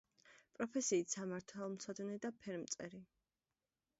პროფესიით სამართალმცოდნე და ფერმწერი.